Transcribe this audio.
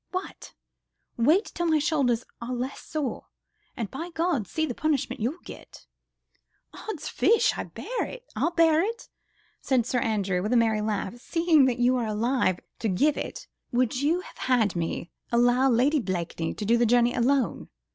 What? Wait till my shoulders are less sore, and, by Gad, see the punishment you'll get." "Odd's fish! I'll bear it," said Sir Andrew, with a merry laugh, "seeing that you are alive to give it. ... Would you have had me allow Lady Blakeney to do the journey alone?